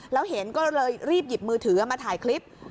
แล้วเห็นก็เลยรีบหยิบมือถือมาถ่ายคลิป